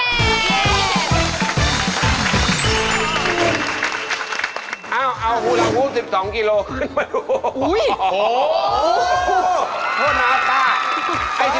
เอาหูลาฮุก๑๒กิโลขึ้นมาดู